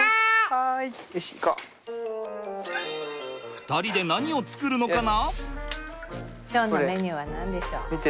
２人で何を作るのかな？